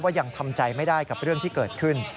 ยังทำใจไม่ได้กับเรื่องที่เกิดขึ้น